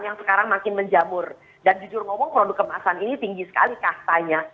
yang sekarang makin menjamur dan jujur ngomong produk kemasan ini tinggi sekali kastanya